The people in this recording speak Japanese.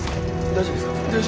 ・大丈夫です。